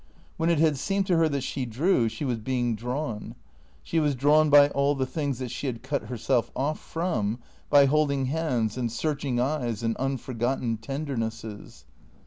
When it had seemed to her that she drew, she was being drawn. She was drawn by all the things that she had cut herself off from, by holding hands, and searching eyes, and unforgotten tendernesses.